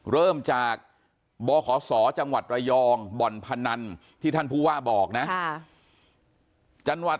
เริ่มจากบขศจังหวัดระยองบ่อนพนันที่ท่านผู้ว่าบอกนะจังหวัด